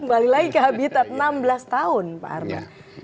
kembali lagi ke habitat enam belas tahun pak arman